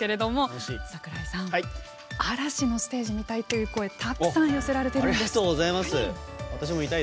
櫻井さん、嵐のステージ見たいという声がたくさん寄せられているんです。